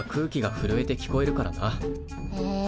へえ。